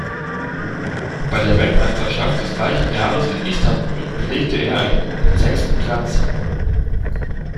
Bei der Weltmeisterschaft des gleichen Jahres in Istanbul belegte er einen guten sechsten Platz.